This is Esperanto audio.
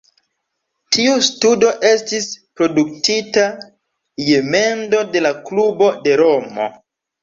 Tiu studo estis produktita je mendo de la klubo de Romo.